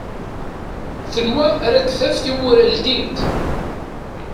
Tenwa ad d-taf tiwwura ldint.